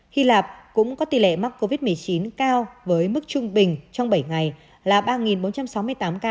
hy lạp cũng có tỷ lệ mắc covid một mươi chín cao với mức trung bình trong bảy ngày là ba bốn trăm sáu mươi tám ca